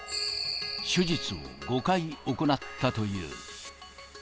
手術を５回行ったという。